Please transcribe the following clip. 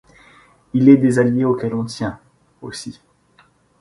Il est des alliés auxquels on tient, aussi.